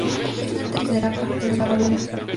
Es la tercera parte de la bolera.